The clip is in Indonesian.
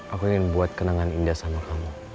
aku ingin buat kenangan indah sama kamu